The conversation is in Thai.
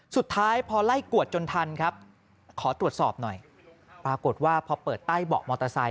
สุดท้ายพอไล่กวดจนทันครับขอตรวจสอบหน่อยปรากฏว่าพอเปิดใต้เบาะมอเตอร์ไซค